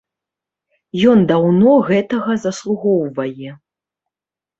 Ён даўно гэтага заслугоўвае.